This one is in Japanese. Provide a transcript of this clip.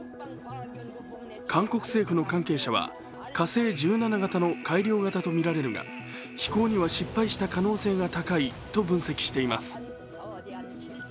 韓国政府の関係者は火星１７型の改良型とみられるが飛行には失敗した可能性が高いと分析しています。